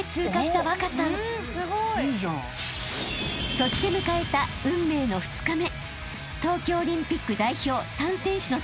［そして迎えた運命の２日目］